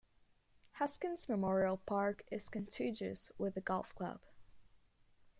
Haskins Memorial Park is contiguous with the golf club.